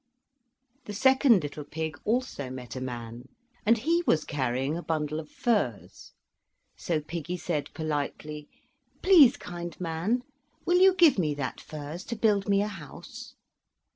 The second little pig also met a man, and he was carrying a bundle of furze; so piggy said politely: "Please, kind man, will you give me that furze to build me a house?"